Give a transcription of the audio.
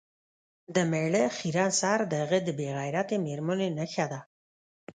د میړه خیرن سر د هغه د بې غیرتې میرمنې نښه ده.